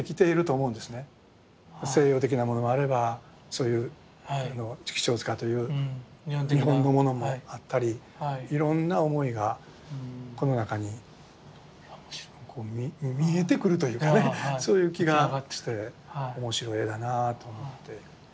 西洋的なものもあればそういう畜生塚という日本的なものもあったりいろんな思いがこの中に見えてくるというかねそういう気がして面白い絵だなぁと思って。